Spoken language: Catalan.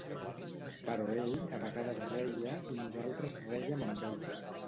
Però ell a vegades reia, i nosaltres rèiem amb ell.